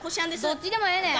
どっちでもええねん。